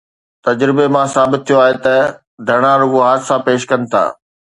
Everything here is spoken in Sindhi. تجربي مان ثابت ٿيو آهي ته ڌرڻا رڳو حادثا پيش ڪن ٿا.